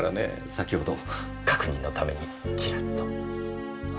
先ほど確認のためにチラッと。